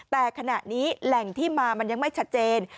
แต่ขณะนี้แหล่งที่มามันยังไม่ชัดเจน